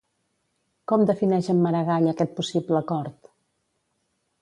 Com defineix en Maragall aquest possible acord?